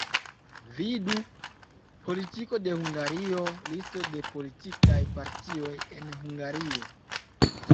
Vidu: Politiko de Hungario, Listo de politikaj partioj en Hungario.